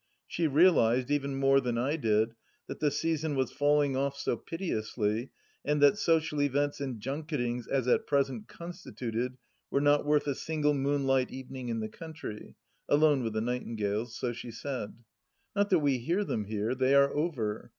She realized, even more than I did, that the season was falling off so piteously, and that social events and junketings as at present constituted were not worth a single moonlight evening in the country, alone with the nightingales — so she said. Not that we hear them here. They are over.